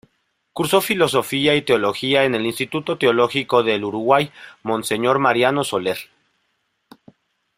Cursó Filosofía y Teología en el Instituto Teológico del Uruguay Monseñor Mariano Soler.